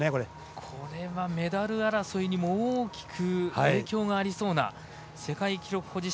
これはメダル争いにも大きく影響がありそうな世界記録保持者